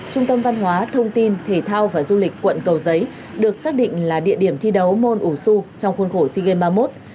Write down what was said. trung tâm văn hóa thông tin thể thao và du lịch quận cầu giấy được xác định là địa điểm thi đấu môn ủ xu trong khuôn khổ sea games ba mươi một